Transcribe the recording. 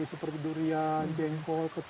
seperti durian jengkol ketel pukat gitu